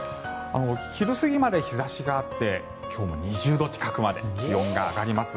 昼過ぎまで日差しがあって今日も２０度近くまで気温が上がります。